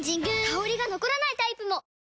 香りが残らないタイプも！